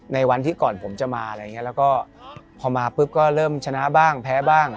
ในวันที่ก่อนผมจะมาแล้วก็พอมาปุ๊บก็เริ่มชนะบ้างแพ้บ้าง